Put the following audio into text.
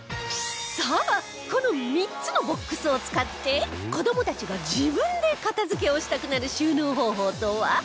さあこの３つのボックスを使って子どもたちが自分で片付けをしたくなる収納方法とは？